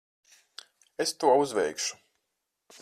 Es to uzveikšu.